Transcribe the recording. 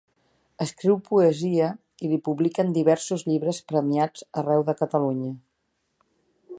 Escriu poesia i li publiquen diversos llibres premiats arreu de Catalunya.